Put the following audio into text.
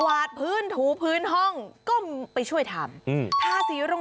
กวาดพื้นถูกพื้นห้องก็ไปช่วยทำ